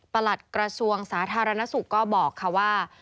หลัดกระทรวงสาธารณสุขก็บอกค่ะว่า